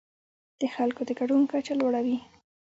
د خلکو د ګډون کچه لوړه وي.